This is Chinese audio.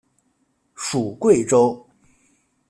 属桂州。